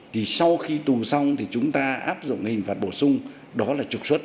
thì sau khi tù xong thì chúng ta áp dụng hình phạt bổ sung đó là trục xuất